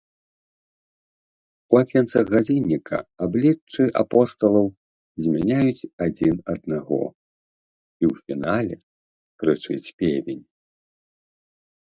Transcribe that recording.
У акенцах гадзінніка абліччы апосталаў змяняюць адзін аднаго, і ў фінале крычыць певень.